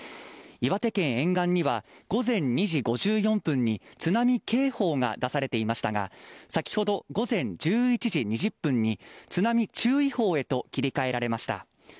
岩手県沿岸には午前２時５４分に津波警報が出されていましたが先ほど午前１１時２０分に津波注意報へと切り替えられました。